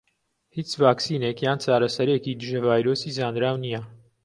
هیچ ڤاکسینێک یان چارەسەرێکی دژە ڤایرۆسی زانراو نیە.